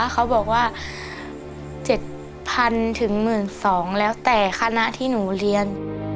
เขาบอกว่า๗๐๐ถึง๑๒๐๐แล้วแต่คณะที่หนูเรียน